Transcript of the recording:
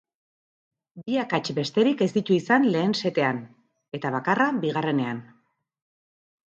Bi akats besterik ez ditu izan lehen setean, eta bakarra bigarrenean.